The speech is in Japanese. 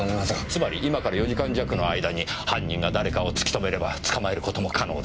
つまり今から４時間弱の間に犯人が誰かを突き止めれば捕まえる事も可能です。